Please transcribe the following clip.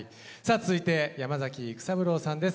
続いて山崎育三郎さんです。